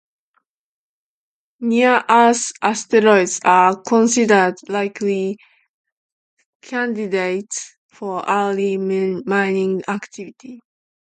Near-Earth asteroids are considered likely candidates for early mining activity.